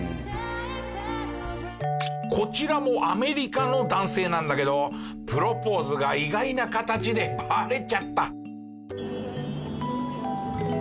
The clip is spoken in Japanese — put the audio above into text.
こちらもアメリカの男性なんだけどプロポーズが意外な形でバレちゃった。